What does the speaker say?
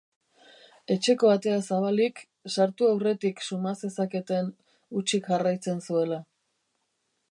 Etxeko atea zabalik, sartu aurretik suma zezaketen hutsik jarraitzen zuela.